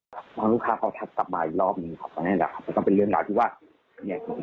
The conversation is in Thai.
พอลูกค้าเขาทักมาอีกรอบหนึ่งครับมันก็เป็นเรื่องราวที่ว่า